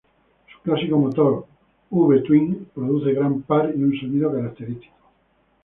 Su clásico motor "V-Twin" produce gran par y un sonido característico.